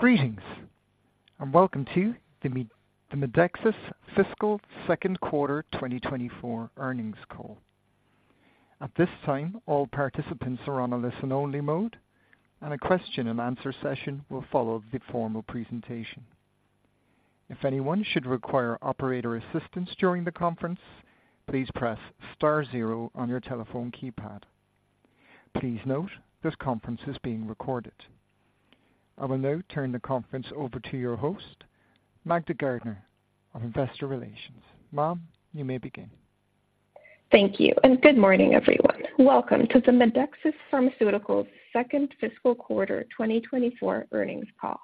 Greetings, and welcome to the Medexus Fiscal Second Quarter 2024 earnings call. At this time, all participants are on a listen-only mode, and a question-and-answer session will follow the formal presentation. If anyone should require operator assistance during the conference, please press star zero on your telephone keypad. Please note, this conference is being recorded. I will now turn the conference over to your host, Magda Gardner of Investor Relations. Ma'am, you may begin. Thank you, and good morning, everyone. Welcome to the Medexus Pharmaceuticals second fiscal quarter 2024 earnings call.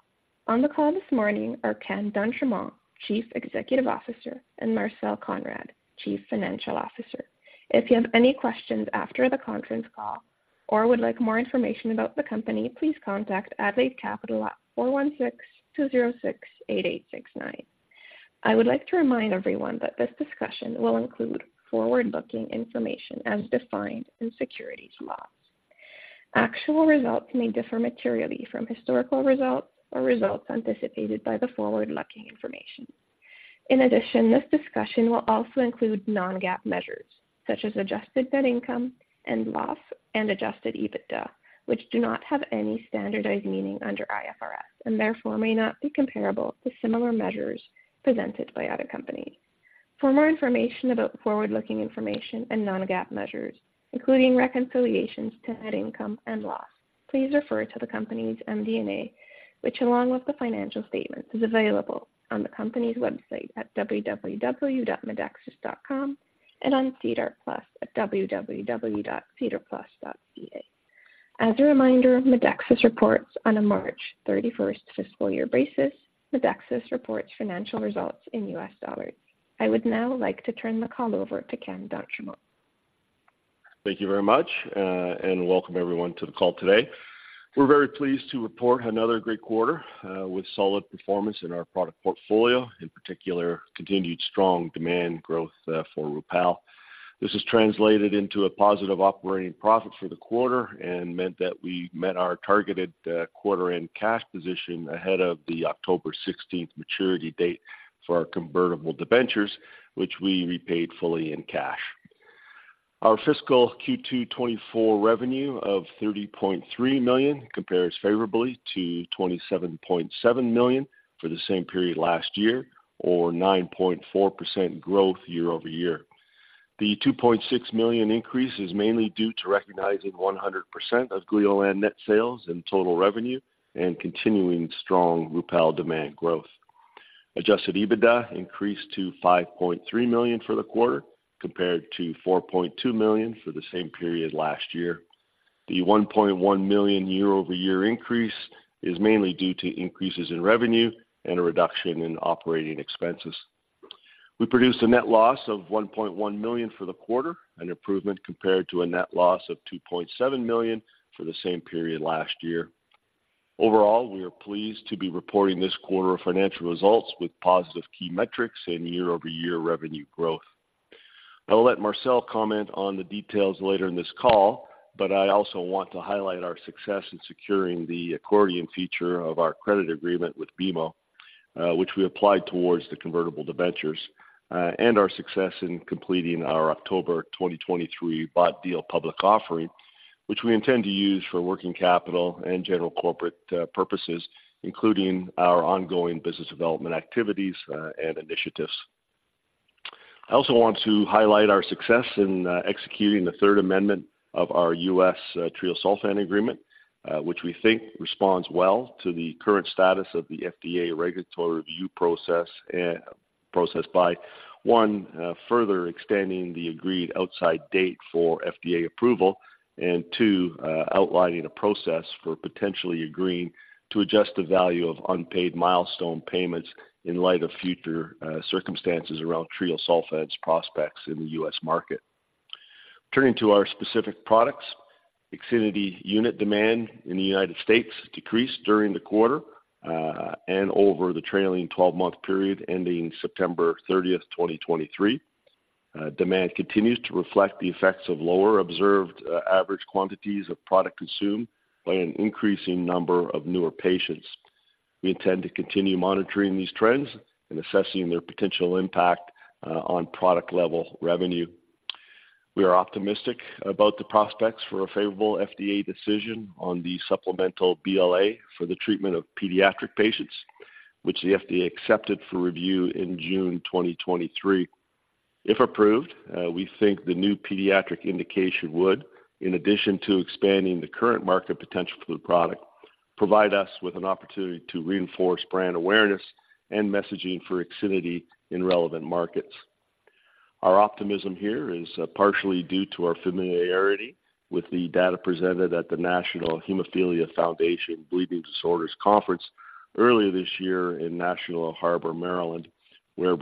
On the call this morning are Ken d'Entremont, Chief Executive Officer, and Marcel Konrad, Chief Financial Officer. If you have any questions after the conference call or would like more information about the company, please contact Adelaide Capital at 416-206-8869. I would like to remind everyone that this discussion will include forward-looking information as defined in securities laws. Actual results may differ materially from historical results or results anticipated by the forward-looking information. In addition, this discussion will also include non-GAAP measures such as adjusted net income and loss and adjusted EBITDA, which do not have any standardized meaning under IFRS and therefore may not be comparable to similar measures presented by other companies. For more information about forward-looking information and non-GAAP measures, including reconciliations to net income and loss, please refer to the company's MD&A, which, along with the financial statements, is available on the company's website at www.medexus.com and on SEDAR+ at www.sedarplus.ca. As a reminder, Medexus reports on a March 31st fiscal year basis. Medexus reports financial results in U.S. dollars. I would now like to turn the call over to Ken d'Entremont. Thank you very much, and welcome everyone to the call today. We're very pleased to report another great quarter, with solid performance in our product portfolio, in particular, continued strong demand growth, for Rupall. This has translated into a positive operating profit for the quarter and meant that we met our targeted, quarter-end cash position ahead of the October 16 maturity date for our convertible debentures, which we repaid fully in cash. Our fiscal Q2 2024 revenue of $30.3 million compares favorably to $27.7 million for the same period last year, or 9.4% growth year-over-year. The $2.6 million increase is mainly due to recognizing 100% of Gleolan sales in total revenue and continuing strong Rupall demand growth. Adjusted EBITDA increased to $5.3 million for the quarter, compared to $4.2 million for the same period last year. The $1.1 million year-over-year increase is mainly due to increases in revenue and a reduction in operating expenses. We produced a net loss of $1.1 million for the quarter, an improvement compared to a net loss of $2.7 million for the same period last year. Overall, we are pleased to be reporting this quarter of financial results with positive key metrics and year-over-year revenue growth. I will let Marcel comment on the details later in this call, but I also want to highlight our success in securing the accordion feature of our credit agreement with BMO, which we applied towards the convertible debentures, and our success in completing our October 2023 bought-deal public offering, which we intend to use for working capital and general corporate purposes, including our ongoing business development activities and initiatives. I also want to highlight our success in executing the third amendment of our U.S. treosulfan agreement, which we think responds well to the current status of the FDA regulatory review process by one, further extending the agreed outside date for FDA approval, and two, outlining a process for potentially agreeing to adjust the value of unpaid milestone payments in light of future circumstances around treosulfan's prospects in the U.S. market. Turning to our specific products, IXINITY unit demand in the United States decreased during the quarter, and over the trailing 12-month period ending September 30th, 2023. Demand continues to reflect the effects of lower observed average quantities of product consumed by an increasing number of newer patients. We intend to continue monitoring these trends and assessing their potential impact on product level revenue. We are optimistic about the prospects for a favorable FDA decision on the supplemental BLA for the treatment of pediatric patients, which the FDA accepted for review in June 2023. If approved, we think the new pediatric indication would, in addition to expanding the current market potential for the product, provide us with an opportunity to reinforce brand awareness and messaging for IXINITY in relevant markets. Our optimism here is partially due to our familiarity with the data presented at the National Hemophilia Foundation Bleeding Disorders Conference earlier this year in National Harbor, Maryland, where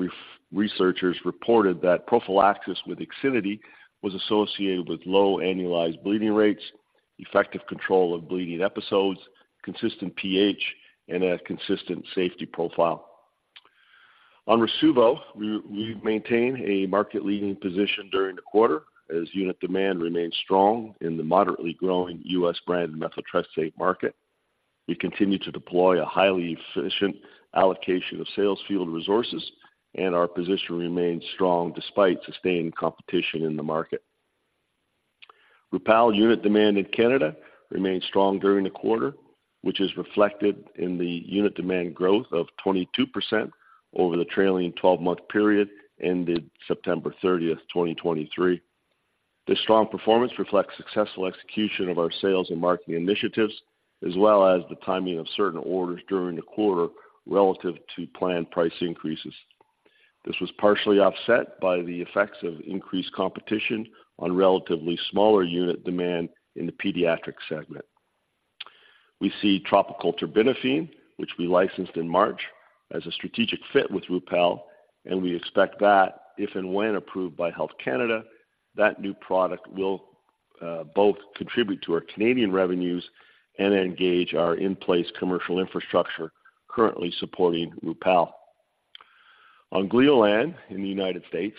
researchers reported that prophylaxis with IXINITY was associated with low annualized bleeding rates, effective control of bleeding episodes, consistent PK, and a consistent safety profile. On Rasuvo, we maintained a market-leading position during the quarter, as unit demand remained strong in the moderately growing U.S. brand methotrexate market. We continued to deploy a highly efficient allocation of sales field resources, and our position remained strong despite sustained competition in the market. Rupall unit demand in Canada remained strong during the quarter, which is reflected in the unit demand growth of 22% over the trailing 12-month period, ended September 30th, 2023. This strong performance reflects successful execution of our sales and marketing initiatives, as well as the timing of certain orders during the quarter relative to planned price increases. This was partially offset by the effects of increased competition on relatively smaller unit demand in the pediatric segment. We see topical terbinafine, which we licensed in March, as a strategic fit with Rupall, and we expect that, if and when approved by Health Canada, that new product will both contribute to our Canadian revenues and engage our in-place commercial infrastructure currently supporting Rupall. On Gleolan in the United States,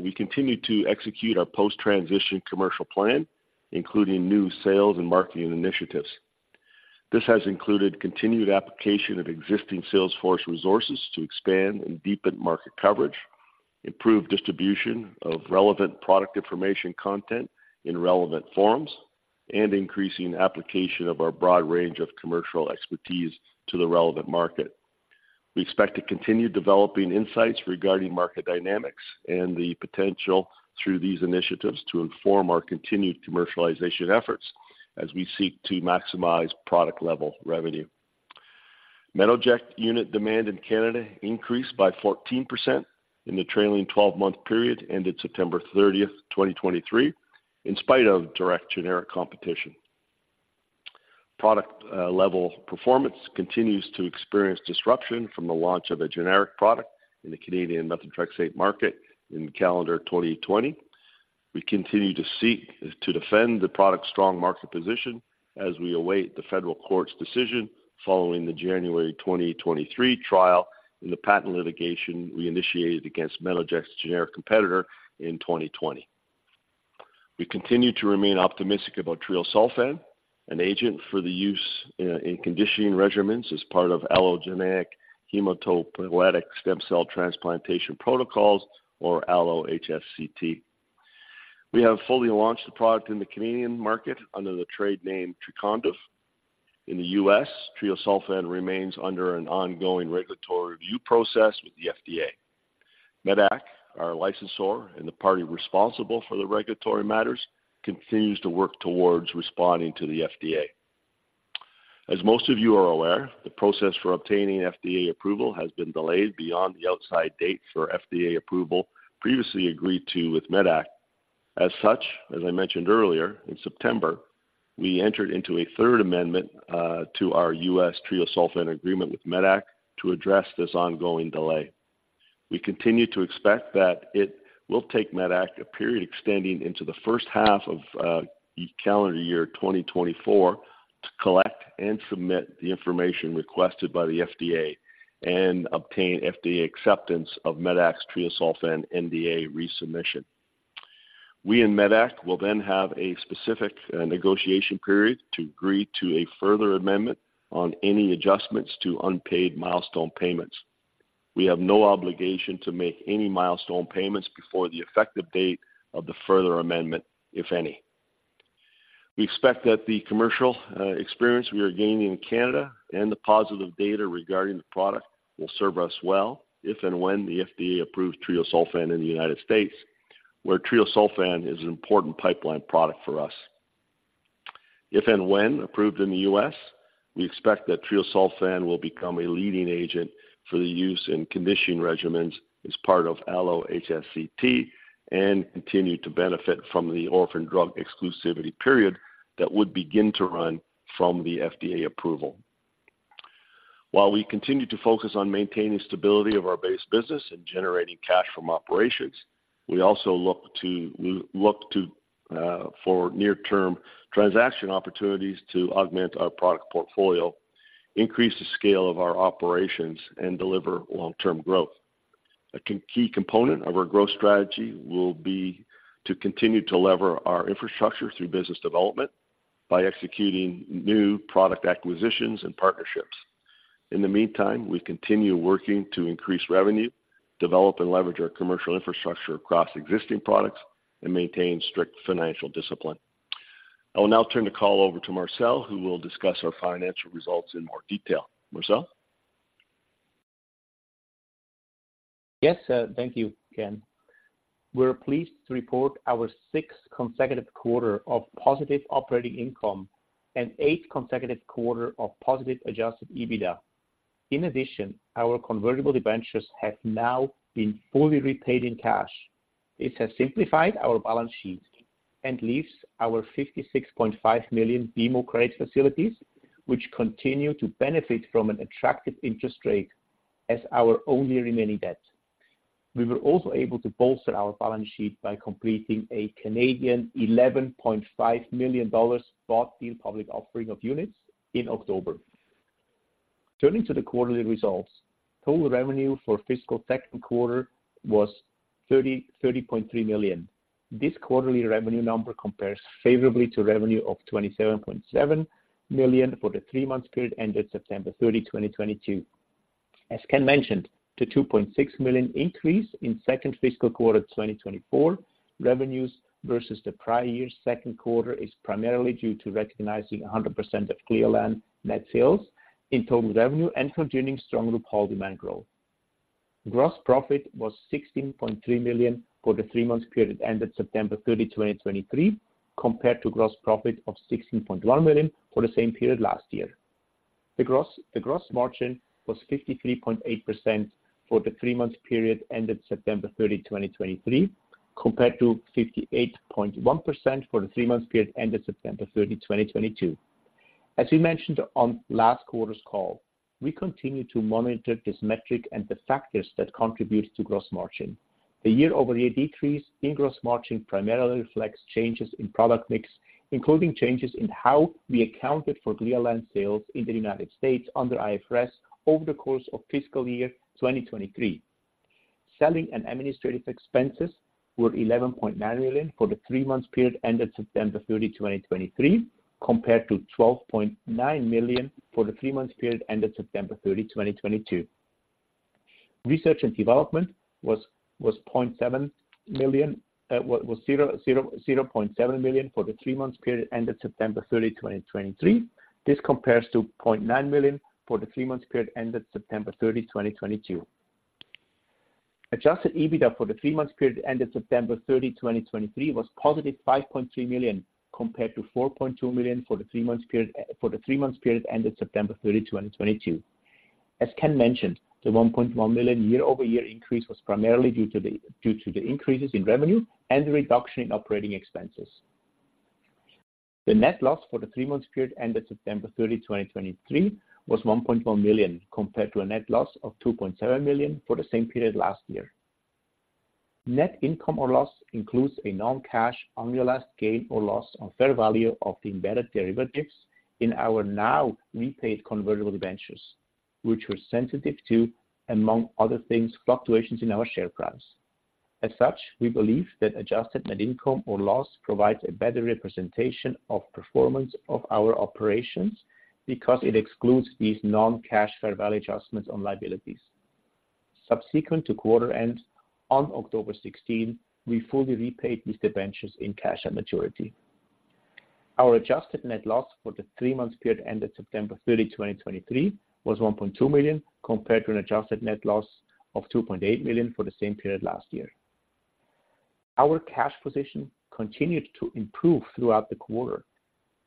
we continued to execute our post-transition commercial plan, including new sales and marketing initiatives. This has included continued application of existing sales force resources to expand and deepen market coverage, improve distribution of relevant product information content in relevant forms, and increasing application of our broad range of commercial expertise to the relevant market. We expect to continue developing insights regarding market dynamics and the potential through these initiatives to inform our continued commercialization efforts as we seek to maximize product level revenue. Metoject unit demand in Canada increased by 14% in the trailing twelve-month period, ended September 30th, 2023, in spite of direct generic competition. Product level performance continues to experience disruption from the launch of a generic product in the Canadian methotrexate market in calendar 2020. We continue to seek to defend the product's strong market position as we await the federal court's decision following the January 2023 trial in the patent litigation we initiated against Metoject's generic competitor in 2020. We continue to remain optimistic about treosulfan, an agent for the use in conditioning regimens as part of allogeneic hematopoietic stem cell transplantation protocols, or allo-HSCT. We have fully launched the product in the Canadian market under the trade name Trecondyv. In the U.S., treosulfan remains under an ongoing regulatory review process with the FDA. Medac, our licensor and the party responsible for the regulatory matters, continues to work towards responding to the FDA. As most of you are aware, the process for obtaining FDA approval has been delayed beyond the outside date for FDA approval, previously agreed to with medac. As such, as I mentioned earlier, in September, we entered into a third amendment to our U.S. treosulfan agreement with medac to address this ongoing delay. We continue to expect that it will take medac a period extending into the first half of calendar year 2024 to collect and submit the information requested by the FDA and obtain FDA acceptance of medac's treosulfan NDA resubmission. We and medac will then have a specific negotiation period to agree to a further amendment on any adjustments to unpaid milestone payments. We have no obligation to make any milestone payments before the effective date of the further amendment, if any. We expect that the commercial experience we are gaining in Canada and the positive data regarding the product will serve us well, if and when the FDA approves treosulfan in the United States, where treosulfan is an important pipeline product for us. If and when approved in the U.S., we expect that treosulfan will become a leading agent for the use in conditioning regimens as part of allo-HSCT and continue to benefit from the orphan drug exclusivity period that would begin to run from the FDA approval. While we continue to focus on maintaining stability of our base business and generating cash from operations, we also look to, look to, for near-term transaction opportunities to augment our product portfolio, increase the scale of our operations, and deliver long-term growth. A key component of our growth strategy will be to continue to leverage our infrastructure through business development by executing new product acquisitions and partnerships. In the meantime, we continue working to increase revenue, develop and leverage our commercial infrastructure across existing products, and maintain strict financial discipline. I will now turn the call over to Marcel, who will discuss our financial results in more detail. Marcel? Yes, thank you, Ken. We're pleased to report our sixth consecutive quarter of positive operating income and eighth consecutive quarter of positive adjusted EBITDA. In addition, our convertible debentures have now been fully repaid in cash. This has simplified our balance sheet and leaves our $56.5 million BMO credit facilities, which continue to benefit from an attractive interest rate as our only remaining debt. We were also able to bolster our balance sheet by completing a 11.5 million Canadian dollars bought-deal public offering of units in October. Turning to the quarterly results, total revenue for fiscal second quarter was $30.3 million. This quarterly revenue number compares favorably to revenue of $27.7 million for the three-month period ended September 30, 2022. As Ken mentioned, the $2.6 million increase in second fiscal quarter 2024 revenues versus the prior year's second quarter is primarily due to recognizing 100% of Gleolan net sales in total revenue and continuing strong IXINITY demand growth. Gross profit was $16.3 million for the three-month period ended September 30, 2023, compared to gross profit of $16.1 million for the same period last year. The gross margin was 53.8% for the three-month period ended September 30, 2023, compared to 58.1% for the three-month period ended September 30, 2022. As we mentioned on last quarter's call, we continue to monitor this metric and the factors that contribute to gross margin. The year-over-year decrease in gross margin primarily reflects changes in product mix, including changes in how we accounted for Gleolan sales in the United States under IFRS over the course of fiscal year 2023. Selling and administrative expenses were $11.9 million for the three-month period ended September 30, 2023, compared to $12.9 million for the three-month period ended September 30, 2022. Research and development was $0.7 million for the three-month period ended September 30, 2023. This compares to 0.9 million for the three-month period ended September 30, 2022. Adjusted EBITDA for the three-month period ended September 30, 2023, was +$5.3 million, compared to $4.2 million for the three-month period ended September 30, 2022. As Ken mentioned, the $1.1 million year-over-year increase was primarily due to the increases in revenue and the reduction in operating expenses. The net loss for the three-month period ended September 30, 2023, was $1.1 million, compared to a net loss of $2.7 million for the same period last year. Net income or loss includes a non-cash unrealized gain or loss on fair value of the embedded derivatives in our now repaid convertible debentures, which were sensitive to, among other things, fluctuations in our share price. As such, we believe that adjusted net income or loss provides a better representation of performance of our operations, because it excludes these non-cash fair value adjustments on liabilities. Subsequent to quarter end, on October 16, we fully repaid these debentures in cash and maturity. Our adjusted net loss for the three-month period ended September 30, 2023, was $1.2 million, compared to an adjusted net loss of $2.8 million for the same period last year. Our cash position continued to improve throughout the quarter,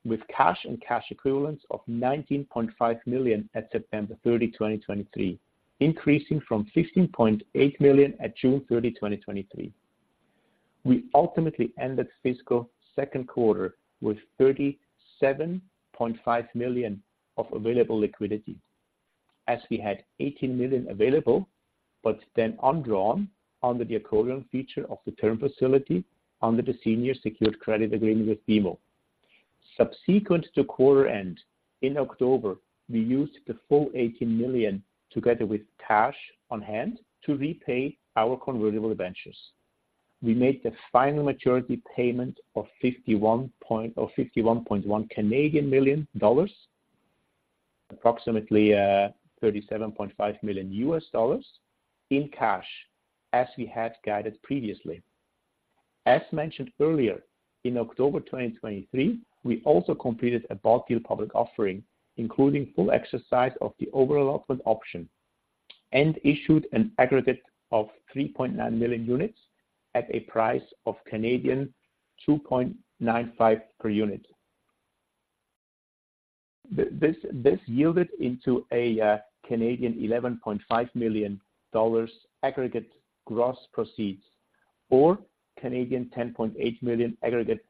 with cash and cash equivalents of $19.5 million at September 30, 2023, increasing from $16.8 million at June 30, 2023. We ultimately ended fiscal second quarter with $37.5 million of available liquidity, as we had $18 million available, but then undrawn under the accordion feature of the term facility under the senior secured credit agreement with BMO. Subsequent to quarter end, in October, we used the full $18 million, together with cash on hand, to repay our convertible debentures. We made the final maturity payment of 51 million dollars or 51.1 million dollars, approximately, $37.5 million in cash, as we had guided previously. As mentioned earlier, in October 2023, we also completed a bought deal public offering, including full exercise of the over-allotment option, and issued an aggregate of 3.9 million units at a price of 2.95 per unit. This yielded into a 11.5 million dollars aggregate gross proceeds, or 10.8 million aggregate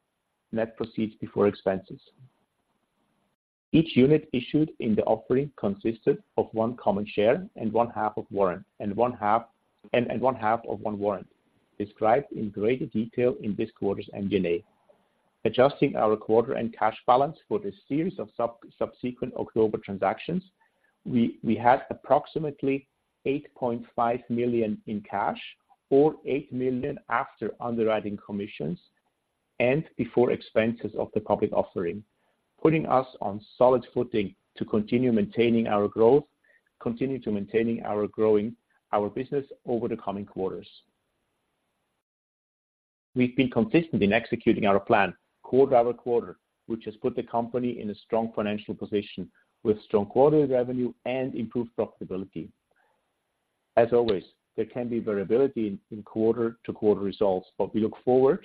net proceeds before expenses. Each unit issued in the offering consisted of one common share and 1/2 of warrant, and 1/2 of one warrant, described in greater detail in this quarter's MD&A. Adjusting our quarter-end cash balance for this series of subsequent October transactions, we had approximately $8.5 million in cash or $8 million after underwriting commissions and before expenses of the public offering, putting us on solid footing to continue maintaining our growth, continue to maintaining our growing our business over the coming quarters. We've been consistent in executing our plan quarter-over-quarter, which has put the company in a strong financial position with strong quarterly revenue and improved profitability. As always, there can be variability in quarter-to-quarter results, but we look forward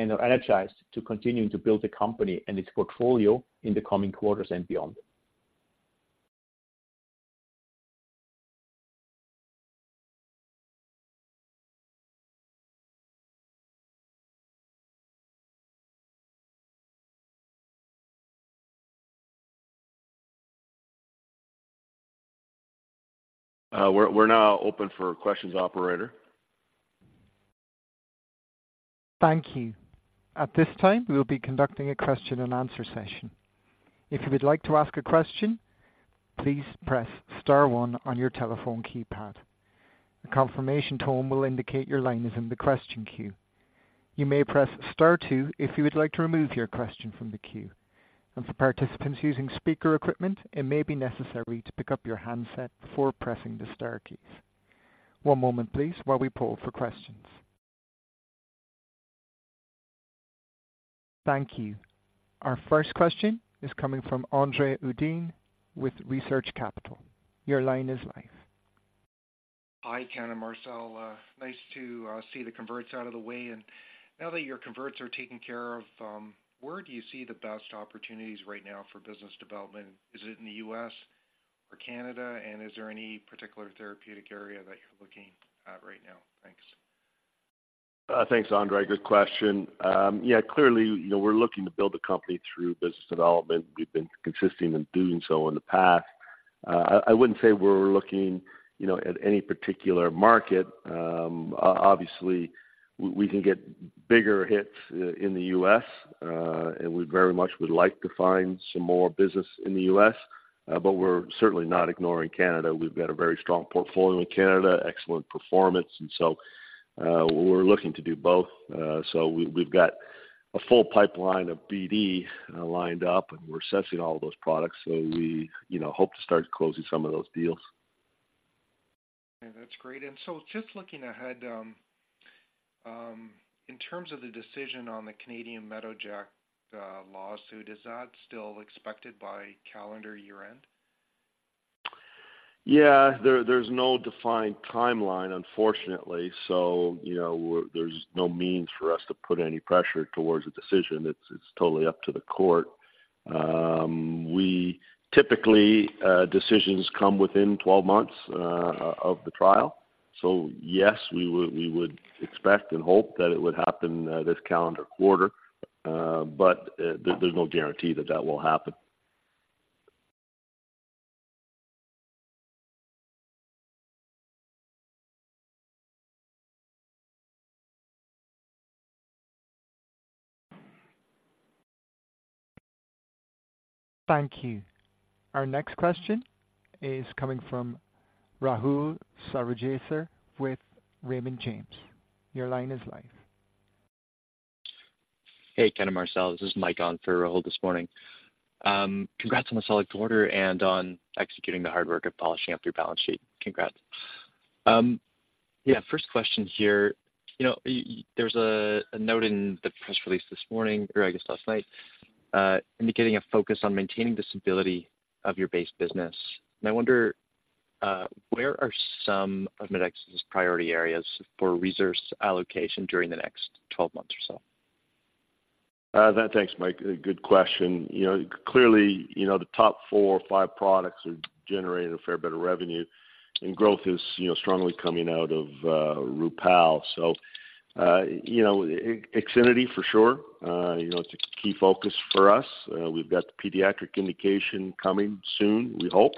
and are energized to continuing to build the company and its portfolio in the coming quarters and beyond. We're now open for questions, operator. Thank you. At this time, we will be conducting a question-and-answer session. If you would like to ask a question, please press star one on your telephone keypad. A confirmation tone will indicate your line is in the question queue. You may press star two if you would like to remove your question from the queue. For participants using speaker equipment, it may be necessary to pick up your handset before pressing the star keys. One moment please, while we poll for questions. Thank you. Our first question is coming from André Uddin with Research Capital. Your line is live. Hi, Ken and Marcel. Nice to see the converts out of the way. And now that your converts are taken care of, where do you see the best opportunities right now for business development? Is it in the U.S. or Canada, and is there any particular therapeutic area that you're looking at right now? Thanks. Thanks, Andre. Good question. Yeah, clearly, you know, we're looking to build a company through business development. We've been consistent in doing so in the past. I wouldn't say we're looking, you know, at any particular market. Obviously, we can get bigger hits in the U.S., and we very much would like to find some more business in the U.S., but we're certainly not ignoring Canada. We've got a very strong portfolio in Canada, excellent performance, and so, we're looking to do both. So we've got a full pipeline of BD, lined up, and we're assessing all those products, so we, you know, hope to start closing some of those deals. Okay, that's great. And so just looking ahead, in terms of the decision on the Canadian Metoject lawsuit, is that still expected by calendar year end? Yeah, there's no defined timeline, unfortunately. So you know, there's no means for us to put any pressure towards a decision. It's totally up to the court. We typically decisions come within 12 months of the trial. So yes, we would expect and hope that it would happen this calendar quarter. But there's no guarantee that that will happen. Thank you. Our next question is coming from Rahul Sarugaser with Raymond James. Your line is live. Hey, Ken and Marcel, this is Mike on for Rahul this morning. Congrats on the solid quarter and on executing the hard work of polishing up your balance sheet. Congrats. Yeah, first question here. You know, there's a note in the press release this morning, or I guess last night, indicating a focus on maintaining the stability of your base business. And I wonder, where are some of medac's priority areas for resource allocation during the next 12 months or so? Thanks, Mike. A good question. You know, clearly, you know, the top four or five products are generating a fair bit of revenue, and growth is, you know, strongly coming out of Rupall. So, you know, IXINITY for sure, you know, it's a key focus for us. We've got the pediatric indication coming soon, we hope,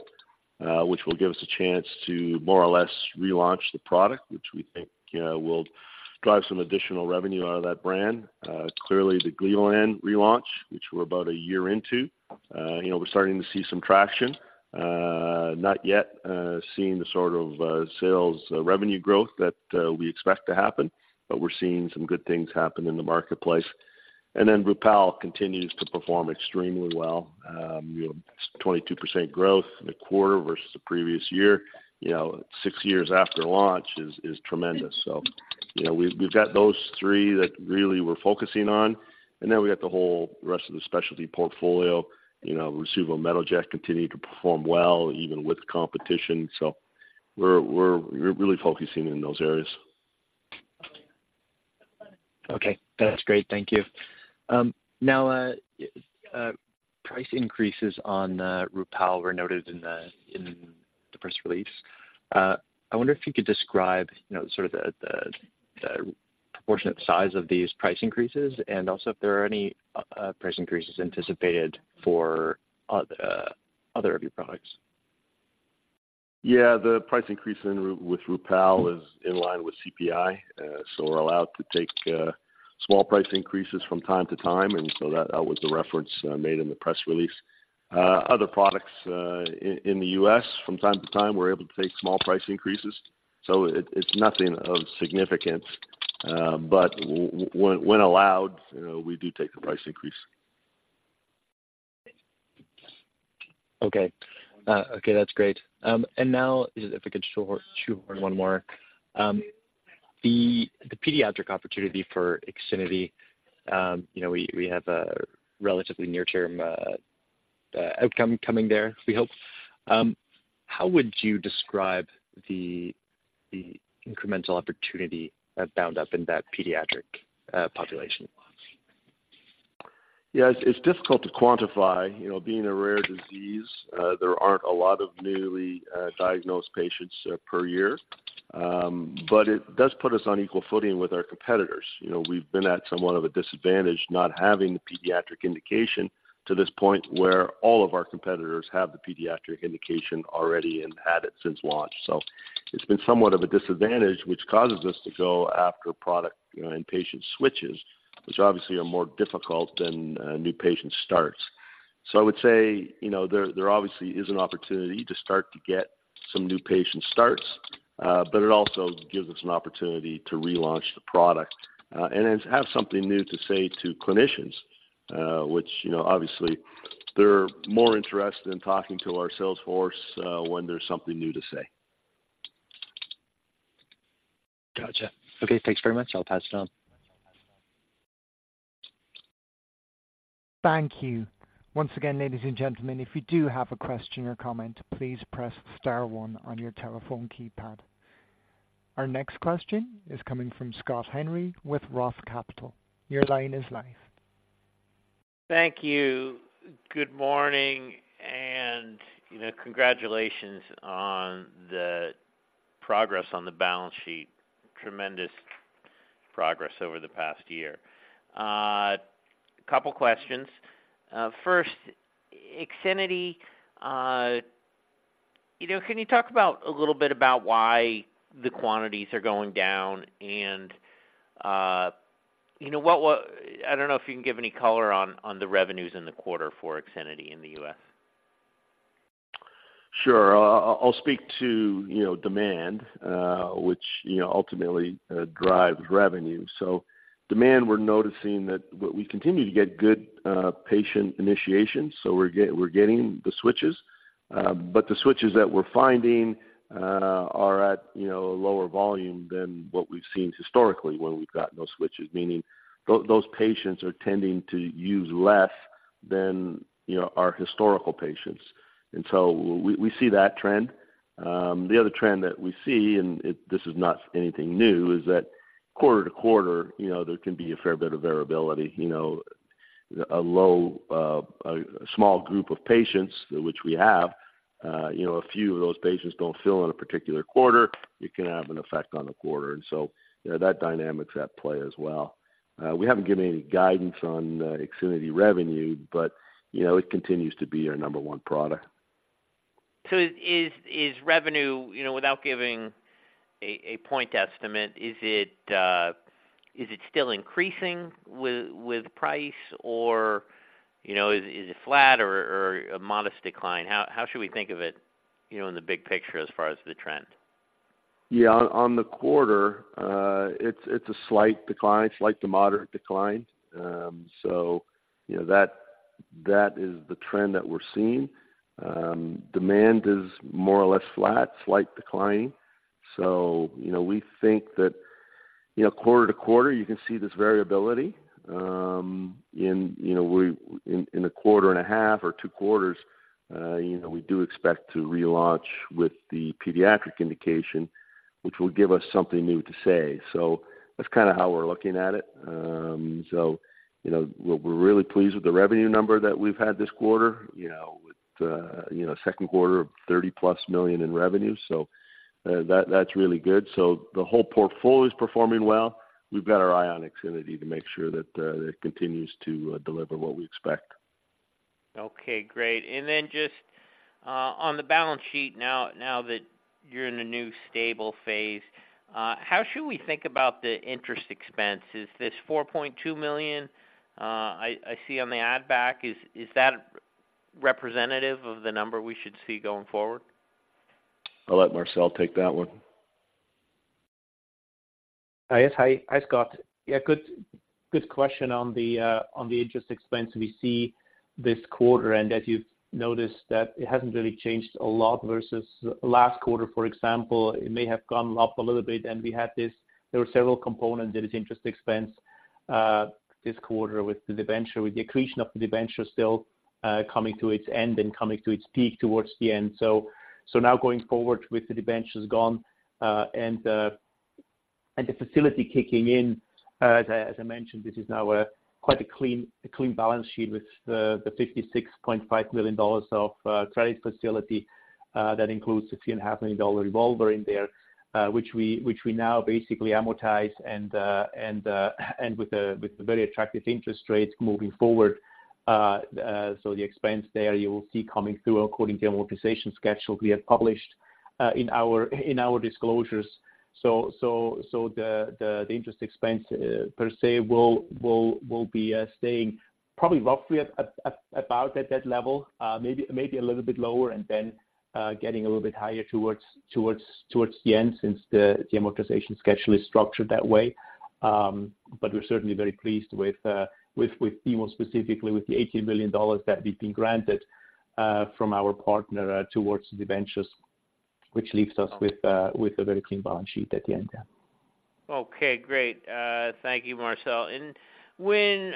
which will give us a chance to more or less relaunch the product, which we think will drive some additional revenue out of that brand. Clearly, the Gleolan relaunch, which we're about a year into, you know, we're starting to see some traction. Not yet seeing the sort of sales revenue growth that we expect to happen, but we're seeing some good things happen in the marketplace. And then Rupall continues to perform extremely well. You know, 22% growth in the quarter versus the previous year, you know, six years after launch is tremendous. So, you know, we've got those three that really we're focusing on, and then we got the whole rest of the specialty portfolio. You know, Rasuvo, Metoject continued to perform well, even with competition. So we're really focusing in those areas. Okay, that's great. Thank you. Now, price increases on Rupall were noted in the press release. I wonder if you could describe, you know, sort of the proportionate size of these price increases, and also if there are any price increases anticipated for other of your products. Yeah, the price increase in, with Rupall is in line with CPI. So we're allowed to take small price increases from time to time, and so that was the reference made in the press release. Other products in the U.S., from time to time, we're able to take small price increases, so it's nothing of significance. But when allowed, you know, we do take the price increase. Okay. Okay, that's great. And now if I could chew on one more. The pediatric opportunity for IXINITY, you know, we have a relatively near-term outcome coming there, we hope. How would you describe the incremental opportunity bound up in that pediatric population? Yes, it's difficult to quantify. You know, being a rare disease, there aren't a lot of newly diagnosed patients per year. But it does put us on equal footing with our competitors. You know, we've been at somewhat of a disadvantage not having the pediatric indication to this point, where all of our competitors have the pediatric indication already and had it since launch. So it's been somewhat of a disadvantage, which causes us to go after product, you know, and patient switches, which obviously are more difficult than new patient starts. So I would say, you know, there obviously is an opportunity to start to get some new patient starts, but it also gives us an opportunity to relaunch the product, and then have something new to say to clinicians, which, you know, obviously they're more interested in talking to our sales force, when there's something new to say. Gotcha. Okay, thanks very much. I'll pass it on. Thank you. Once again, ladies and gentlemen, if you do have a question or comment, please press star one on your telephone keypad. Our next question is coming from Scott Henry with ROTH Capital. Your line is live. Thank you. Good morning, and, you know, congratulations on the progress on the balance sheet. Tremendous progress over the past year. Couple questions. First, IXINITY, you know, can you talk about a little bit about why the quantities are going down and, you know, what I don't know if you can give any color on, on the revenues in the quarter for IXINITY in the U.S.? Sure. I'll speak to, you know, demand, which, you know, ultimately drives revenue. So demand, we're noticing that we continue to get good patient initiation, so we're getting the switches. The switches that we're finding are at, you know, lower volume than what we've seen historically when we've gotten those switches, meaning those patients are tending to use less than, you know, our historical patients. And so we see that trend. The other trend that we see, and this is not anything new, is that quarter-to-quarter, you know, there can be a fair bit of variability. You know, a low, a small group of patients, which we have, you know, a few of those patients don't fill in a particular quarter, it can have an effect on the quarter, and so, you know, that dynamic's at play as well. We haven't given any guidance on, IXINITY revenue, but, you know, it continues to be our number one product. So is revenue, you know, without giving a point estimate, is it still increasing with price, or, you know, is it flat or a modest decline? How should we think of it, you know, in the big picture as far as the trend? Yeah, on the quarter, it's a slight decline, slight to moderate decline. So you know, that is the trend that we're seeing. Demand is more or less flat, slight declining. So you know, we think that, you know, quarter-to-quarter, you can see this variability. In a quarter and a half or two quarters, you know, we do expect to relaunch with the pediatric indication, which will give us something new to say. So that's kind of how we're looking at it. So, you know, we're really pleased with the revenue number that we've had this quarter, you know, with, you know, second quarter of $30+ million in revenue, so, that's really good. So the whole portfolio is performing well. We've got our eye on IXINITY to make sure that it continues to deliver what we expect. Okay, great. And then just on the balance sheet, now that you're in a new stable phase, how should we think about the interest expense? Is this $4.2 million I see on the add back, is that representative of the number we should see going forward? I'll let Marcel take that one. Yes. Hi. Hi, Scott. Yeah, good, good question on the interest expense we see this quarter, and as you've noticed, that it hasn't really changed a lot versus last quarter, for example. It may have gone up a little bit, and we had this—there were several components that is interest expense this quarter with the debenture, with the accretion of the debenture still coming to its end and coming to its peak towards the end. So now going forward with the debentures gone, and the facility kicking in, as I mentioned, this is now a quite clean balance sheet with the $56.5 million of credit facility. That includes a $2.5 million revolver in there, which we now basically amortize and with a very attractive interest rate moving forward. So the expense there, you will see coming through according to amortization schedule we have published in our disclosures. So the interest expense per se will be staying probably roughly at about that level, maybe a little bit lower, and then getting a little bit higher towards the end since the amortization schedule is structured that way. But we're certainly very pleased with BMO specifically, with the $80 million that we've been granted from our partner towards the debentures, which leaves us with a very clean balance sheet at the end, yeah. Okay, great. Thank you, Marcel. And when,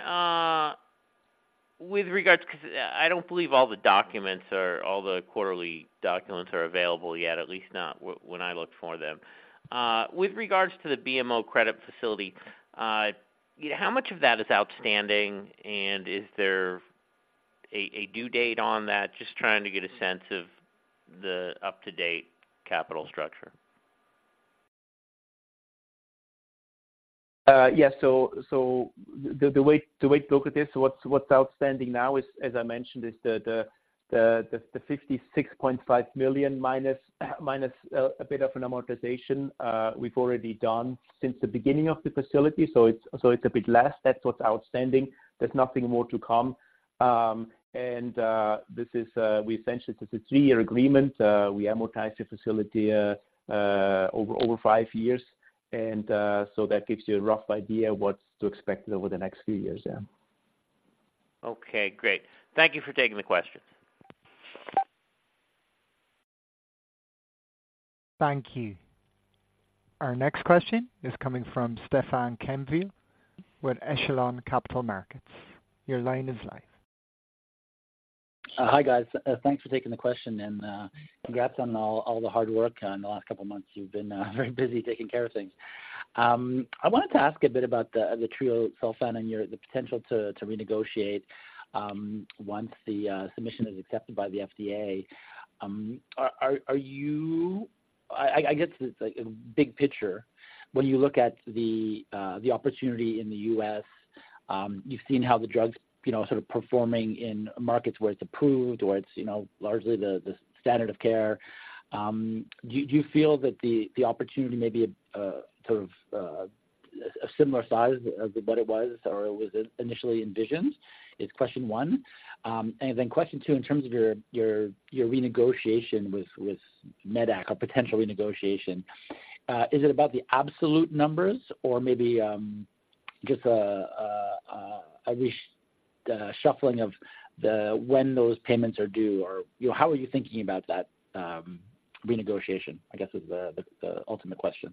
with regards—because I don't believe all the documents or all the quarterly documents are available yet, at least not when I looked for them. With regards to the BMO credit facility, how much of that is outstanding, and is there a due date on that? Just trying to get a sense of the up-to-date capital structure. Yes. So, the way to look at this, what's outstanding now is, as I mentioned, is the $56.5 million minus a bit of an amortization we've already done since the beginning of the facility. So it's a bit less. That's what's outstanding. There's nothing more to come. And this is essentially a three-year agreement. We amortize the facility over five years, and so that gives you a rough idea what to expect over the next few years, yeah. Okay, great. Thank you for taking the question. Thank you. Our next question is coming from Stefan Quenneville with Echelon Capital Markets. Your line is live. Hi, guys. Thanks for taking the question, and congrats on all the hard work on the last couple of months. You've been very busy taking care of things. I wanted to ask a bit about the treosulfan and your the potential to renegotiate once the submission is accepted by the FDA. Are you? I guess it's like a big picture when you look at the opportunity in the U.S. You've seen how the drugs, you know, sort of performing in markets where it's approved or it's, you know, largely the standard of care. Do you feel that the opportunity may be sort of a similar size as what it was or was initially envisioned? Is question one. And then question two, in terms of your renegotiation with medac or potential renegotiation, is it about the absolute numbers or maybe just a shuffling of when those payments are due? Or, you know, how are you thinking about that renegotiation, I guess, is the ultimate question.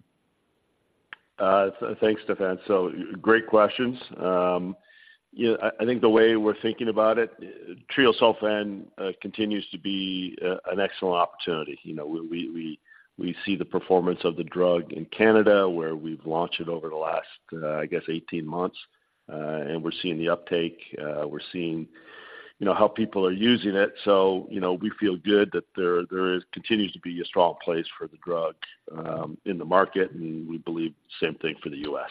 So thanks, Stefan. Great questions. Yeah, I think the way we're thinking about it, treosulfan continues to be an excellent opportunity. You know, we see the performance of the drug in Canada, where we've launched it over the last, I guess, 18 months. And we're seeing the uptake, we're seeing, you know, how people are using it. So, you know, we feel good that there continues to be a strong place for the drug in the market, and we believe the same thing for the U.S.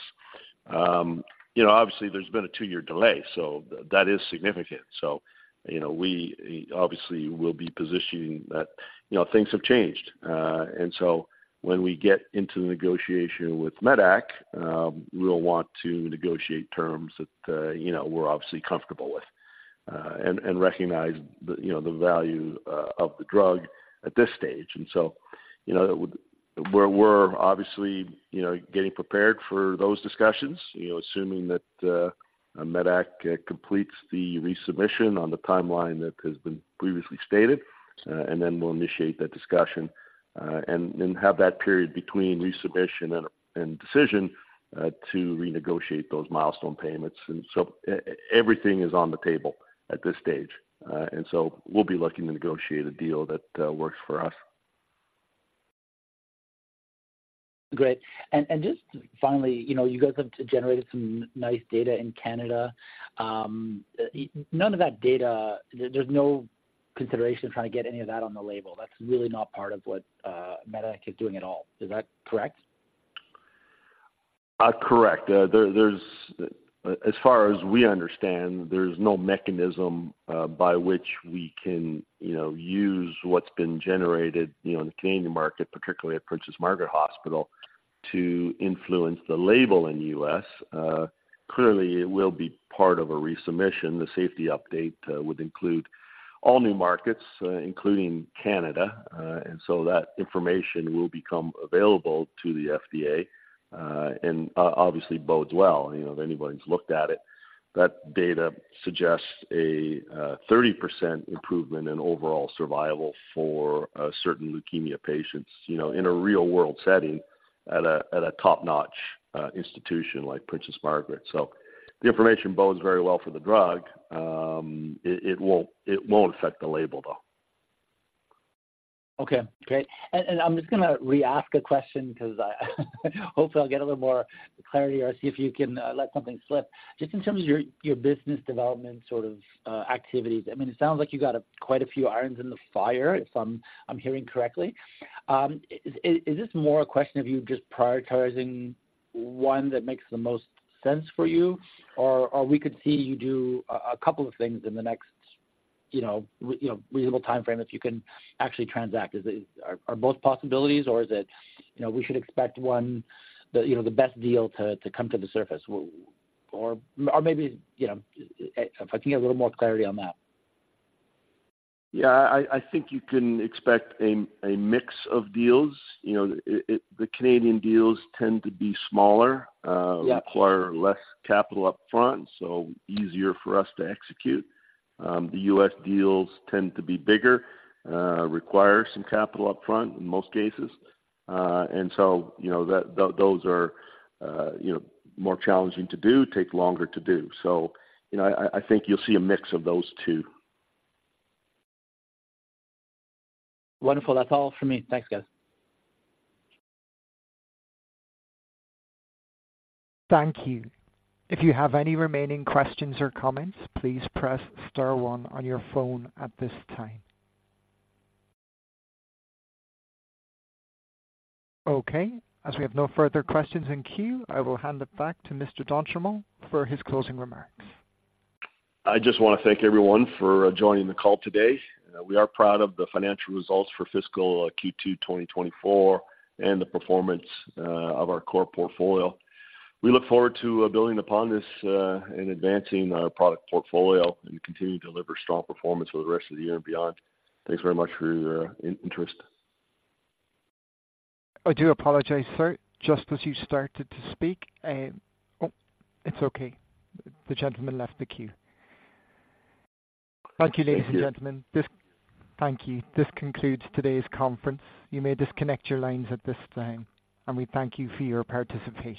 You know, obviously, there's been a two-year delay, so that is significant. So, you know, we obviously will be positioning that, you know, things have changed. And so when we get into the negotiation with medac, we'll want to negotiate terms that, you know, we're obviously comfortable with, and recognize the, you know, the value of the drug at this stage. And so, you know, we're obviously getting prepared for those discussions, you know, assuming that medac completes the resubmission on the timeline that has been previously stated, and then we'll initiate that discussion, and then have that period between resubmission and decision to renegotiate those milestone payments. And so everything is on the table at this stage, and so we'll be looking to negotiate a deal that works for us. Great. And just finally, you know, you guys have generated some nice data in Canada. None of that data, there's no consideration of trying to get any of that on the label. That's really not part of what medac is doing at all. Is that correct? Correct. As far as we understand, there's no mechanism by which we can, you know, use what's been generated, you know, in the Canadian market, particularly at Princess Margaret Hospital, to influence the label in the U.S. Clearly, it will be part of a resubmission. The safety update would include all new markets, including Canada, and so that information will become available to the FDA, and obviously bodes well. You know, if anybody's looked at it, that data suggests a 30% improvement in overall survival for certain leukemia patients, you know, in a real-world setting at a top-notch institution like Princess Margaret. So the information bodes very well for the drug. It won't affect the label, though. Okay, great. And I'm just gonna re-ask a question because, hopefully, I'll get a little more clarity or see if you can let something slip. Just in terms of your business development sort of activities. I mean, it sounds like you got quite a few irons in the fire, if I'm hearing correctly. Is this more a question of you just prioritizing one that makes the most sense for you, or we could see you do a couple of things in the next, you know, reasonable timeframe, if you can actually transact? Is it—are both possibilities, or is it, you know, we should expect one, the best deal to come to the surface? Or maybe, you know, if I can get a little more clarity on that. Yeah, I think you can expect a mix of deals. You know, the Canadian deals tend to be smaller— Yeah. Require less capital upfront, so easier for us to execute. The U.S. deals tend to be bigger, require some capital upfront in most cases. And so, you know, that, those are, you know, more challenging to do, take longer to do. So, you know, I think you'll see a mix of those two. Wonderful. That's all for me. Thanks, guys. Thank you. If you have any remaining questions or comments, please press star one on your phone at this time. Okay, as we have no further questions in queue, I will hand it back to Mr. d'Entremont for his closing remarks. I just want to thank everyone for joining the call today. We are proud of the financial results for fiscal Q2 2024 and the performance of our core portfolio. We look forward to building upon this and advancing our product portfolio and continue to deliver strong performance for the rest of the year and beyond. Thanks very much for your interest. I do apologize, sir. Just as you started to speak, Oh, it's okay. The gentleman left the queue. Thank you. Thank you, ladies and gentlemen. Thank you. This concludes today's conference. You may disconnect your lines at this time, and we thank you for your participation.